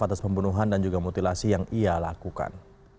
atas pembunuhan dan juga mutilasi yang ia lakukan